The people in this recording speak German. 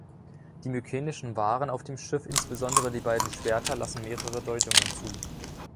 Die mykenischen Waren auf dem Schiff, insbesondere die beiden Schwerter, lassen mehrere Deutungen zu.